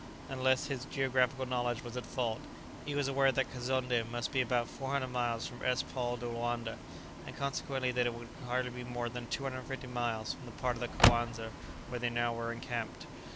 Unless his geographical knowledge was at fault, he was aware that Kazonndé must be about 400 miles from S. Paul de Loanda, and consequently that it could hardly be more than 250 miles from the part of the Coanza where they were now encamped.